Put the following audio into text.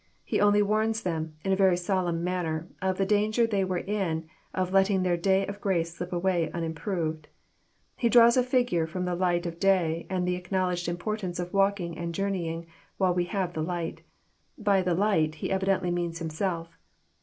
He only warns them, in a very solemn manner, of the danger they were in of letting their day of grace slip away un improved. He draws a figure fk*om the light of day, and the acknowledged importance of walking and Journeying while we have the light. By ^* the light He evidently means Himself.